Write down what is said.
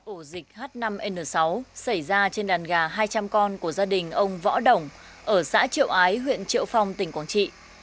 ổ dịch h năm n sáu xảy ra trên đàn gà hai trăm linh con của gia đình ông võ đồng ở xã triệu ái huyện triệu phong tỉnh quảng trị